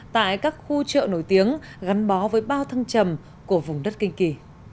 tại các khu chợ nổi tiếng gắn bó với bao thăng trầm của vùng đất kinh kỳ